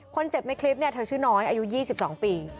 คนเจ็บในคลิปเนี่ยเธอชื่อน้อยอายุ๒๒ปี